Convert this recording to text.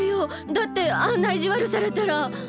だってあんな意地悪されたら。